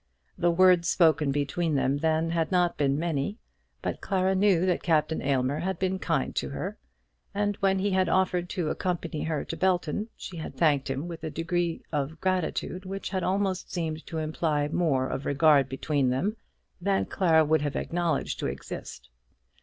The words spoken between them then had not been many, but Clara knew that Captain Aylmer had been kind to her; and when he had offered to accompany her to Belton, she had thanked him with a degree of gratitude which had almost seemed to imply more of regard between them than Clara would have acknowledged to exist.